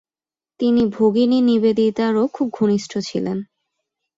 তিনি ভগিনী নিবেদিতারও খুব ঘনিষ্ঠ ছিলেন।